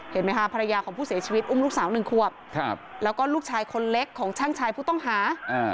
เห็นไหมคะภรรยาของผู้เสียชีวิตอุ้มลูกสาว๑ขวบแล้วก็ลูกชายคนเล็กของช่างชายผู้ต้องหา